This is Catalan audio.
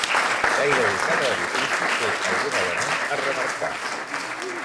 Gairebé cada edifici té algun element a remarcar.